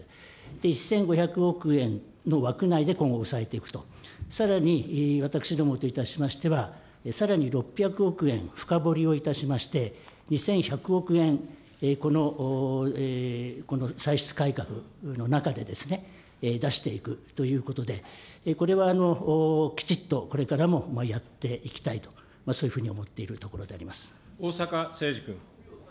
１５００億円の枠内で今後、抑えていくと、さらに私どもといたしましては、さらに６００億円深掘りをいたしまして、２１００億円、この歳出改革の中でですね、出していくということで、これはきちっとこれからもやっていきたいと、そういうふうに思っているところであり逢坂誠二君。